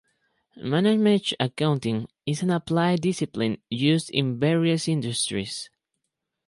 Management accounting is an applied discipline used in various industries.